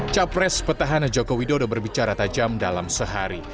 capres petahana joko widodo berbicara tajam dalam sehari